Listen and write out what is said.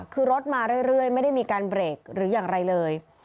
คือรถมาเรื่อยไม่ได้มีการเบรกหรืออย่างไรเลย